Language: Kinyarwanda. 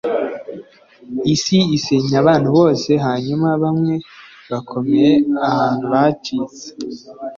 isi isenya abantu bose, hanyuma, bamwe bakomeye ahantu hacitse